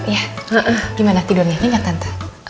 iya gimana tidurnya ingat tante